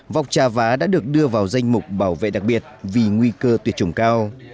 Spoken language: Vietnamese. vọc trà vá đã được đưa vào danh mục bảo vệ đặc biệt vì nguy cơ tuyệt chủng cao